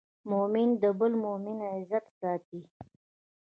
مؤمن د بل مؤمن عزت ساتي.